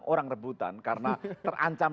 orang rebutan karena terancam